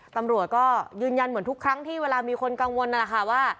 ตำรวจก็ยืนยันเหมือนทุกครั้งที่เวลามีคนกังวลนั่นแหละค่ะว่า